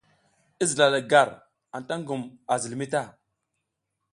I zila le gar, anta a ngum a zilmi ta.